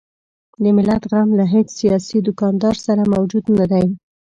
د ملت غم له هیڅ سیاسي دوکاندار سره موجود نه دی.